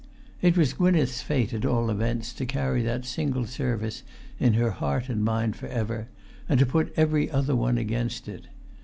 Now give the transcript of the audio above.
It was Gwynneth's fate, at all events, to carry that single service in her heart and mind for ever, and to put every other one against it.